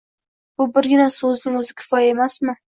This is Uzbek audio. Bu birgina so’zning o’zi kifoya emasmi?